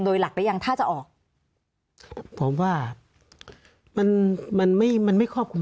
โดยหลักหรือยังถ้าจะออกผมว่ามันมันไม่มันไม่ครอบคลุม